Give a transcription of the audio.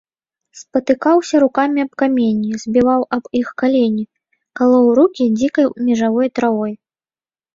Спатыкаўся рукамі аб каменні, збіваў аб іх калені, калоў рукі дзікай межавой травой.